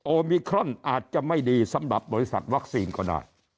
มิครอนอาจจะไม่ดีสำหรับบริษัทวัคซีนก็ได้